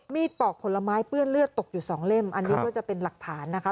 ปอกผลไม้เปื้อนเลือดตกอยู่สองเล่มอันนี้ก็จะเป็นหลักฐานนะคะ